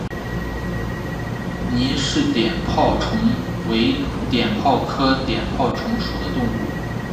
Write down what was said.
倪氏碘泡虫为碘泡科碘泡虫属的动物。